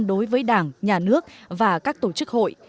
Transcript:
đối với đảng nhà nước và các tổ chức hội